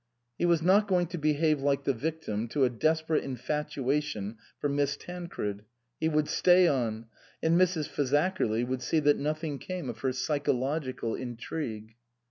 He was not going to behave like the victim to a desperate infatuation for Miss Tancred. He would stay on, and Mrs. Fazakerly would see that nothing came of her psychological intrigue.